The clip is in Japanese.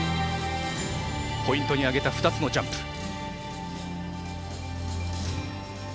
ポイントにあげた２つのジャンプ。